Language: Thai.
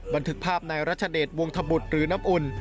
บันทึกภาพนายรัชเดชวงธบุตรหรือน้ำอุ่น